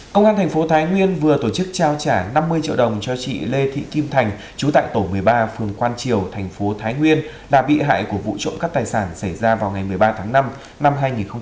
công an tp thái nguyên vừa tổ chức trao trả năm mươi triệu đồng cho chị lê thị kim thành chú tại tổ một mươi ba phường quan triều tp thái nguyên là bị hại của vụ trộm các tài sản xảy ra vào ngày một mươi ba tháng năm năm hai nghìn một mươi sáu